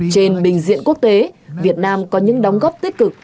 trên bình diện quốc tế việt nam có những đóng góp tích cực